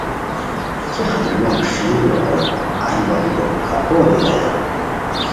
کیہ خطرناک ݰیلی نوغور، اہی لوڑیکو کھپوڑ یو دویان